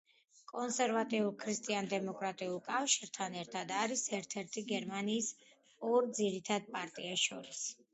კონსერვატიულ ქრისტიან–დემოკრატიულ კავშირთან ერთად არის ერთ–ერთი გერმანიის ორ ძირითად პარტიას შორის.